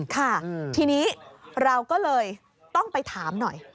ค่ะทีนี้เราก็เลยต้องไปถามหน่อย